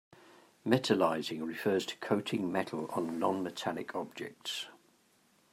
Metallizing refers to coating metal on non-metallic objects.